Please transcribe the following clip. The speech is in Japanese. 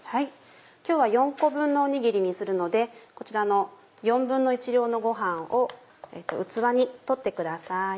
今日は４個分のおにぎりにするのでこちらの１／４量のご飯を器に取ってください。